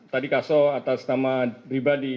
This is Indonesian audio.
tadi kaso atas nama pribadi